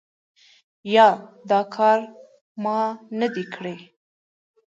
یا دا کار ما نه دی کړی ؟